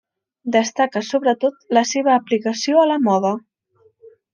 Destaca sobretot la seva aplicació a la moda.